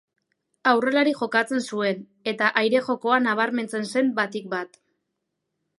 Aurrelari jokatzen zuen, eta aire-jokoan nabarmentzen zen batik bat.